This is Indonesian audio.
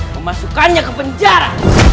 memasukkannya ke penjara